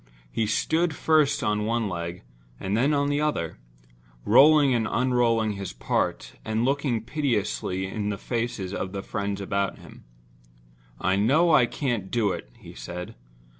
He stood first on one leg and then on the other; rolling and unrolling his part, and looking piteously in the faces of the friends about him. "I know I can't do it," he said.